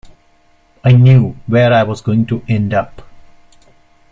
I knew where I was going to end up.